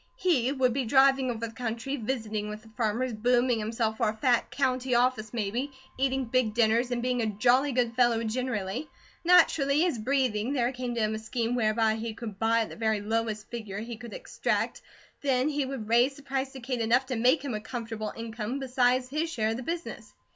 He would be driving over the country, visiting with the farmers, booming himself for a fat county office maybe, eating big dinners, and being a jolly good fellow generally. Naturally as breathing, there came to him a scheme whereby he could buy at the very lowest figure he could extract; then he would raise the price to Kate enough to make him a comfortable income besides his share of the business.